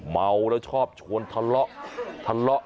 เมาแล้วชอบชวนทะเลาะ